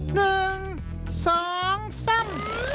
หนึ่งสองสาม